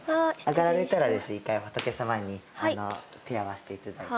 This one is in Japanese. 上がられたらですね１回仏様に手を合わせて頂いて。